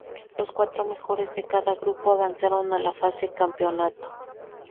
Los cuatro mejores de cada grupo, avanzaron a la fase campeonato.